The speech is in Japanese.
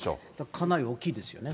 かなり大きいですよね。